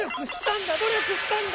ど力したんだ！